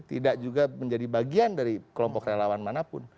tidak juga menjadi bagian dari kelompok relawan manapun